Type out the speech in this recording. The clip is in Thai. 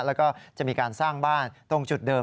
แล้วก็จะมีการสร้างบ้านตรงจุดเดิม